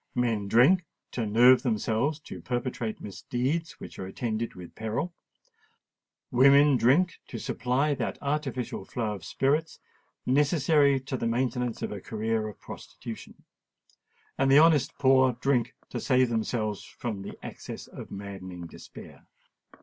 Men drink to nerve themselves to perpetrate misdeeds which are attended with peril: women drink to supply that artificial flow of spirits necessary to the maintenance of a career of prostitution;—and the honest poor drink to save themselves from the access of maddening despair.